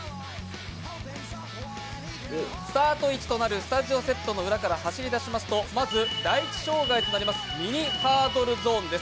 スタート位置となるスタジオセットの裏から走り始めますとまず第１障害となりますミニハードルゾーンです。